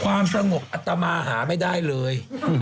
ความสงบอัตมาหาไม่ได้เลย